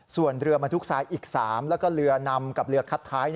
ส่วนเรือบรรทุกทรายอีก๓แล้วก็เรือนำกับเรือคัดท้าย